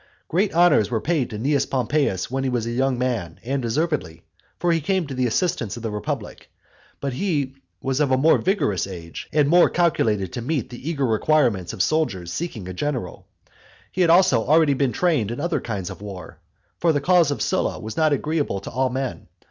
Great honours were paid to Cnaeus Pompeius when he was a young man, and deservedly; for he came to the assistance of the republic; but he was of a more vigorous age, and more calculated to meet the eager requirements of soldiers seeking a general. He had also been already trained in other kinds of war. For the cause of Sylla was not agreeable to all men.